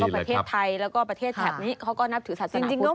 ประเทศไทยแล้วก็ประเทศแถบนี้เขาก็นับถือศาสนาคุณ